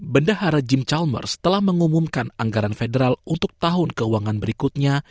bendahara gym charmer telah mengumumkan anggaran federal untuk tahun keuangan berikutnya